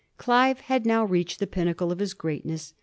Clive had now reached the pinnacle of his greatness.